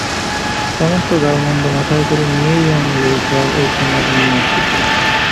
সমস্ত গালমন্দ মাথায় করে নিয়েই আমি এই ঘর এই সমাজ নিয়ে আছি।